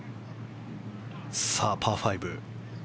さあ、パー５。